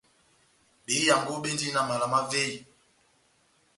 Behiyaango béndini na mala má véyi,